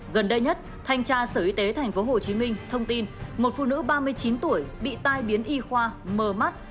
gần đây nhất thanh tra sở y tế tp hcm thông tin một phụ nữ ba mươi chín tuổi bị tai biến y khoa mờ mắt